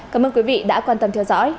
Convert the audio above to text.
cảm ơn quý vị đã quan tâm theo dõi